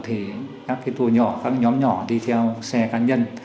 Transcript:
thì các cái tour nhỏ các nhóm nhỏ đi theo xe cá nhân